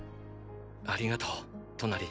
ありがとうトナリ